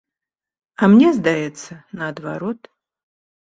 А мне здаецца, наадварот.